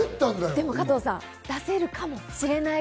でも加藤さん、出せるかもしれない。